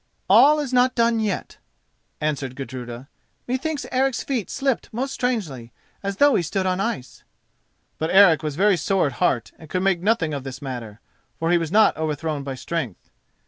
"All is not done yet," answered Gudruda. "Methinks Eric's feet slipped most strangely, as though he stood on ice." But Eric was very sore at heart and could make nothing of this matter—for he was not overthrown by strength.